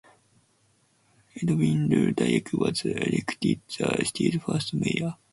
Edwin L. Dirck was elected the city's first mayor.